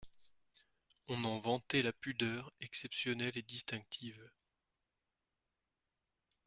On en vantait la pudeur exceptionnelle et distinctive.